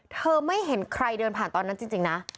ไม่เห็นใครเดินผ่านตอนนั้นจริงนะ